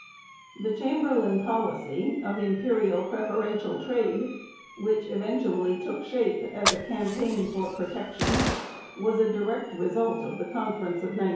The Chamberlain policy of imperial preferential trade, which eventually took shape as a campaign for protection, was a direct result of the Conference of 1902.